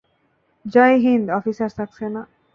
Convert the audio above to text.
Joy Hind, officer Saxena.